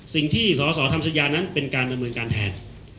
สิ่งที่สสทำสัญญานั้นเป็นการดำเนินการแทน